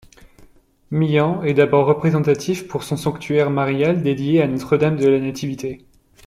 Myans est d’abord représentatif pour son sanctuaire marial dédié à Notre-Dame-de-la-Nativité.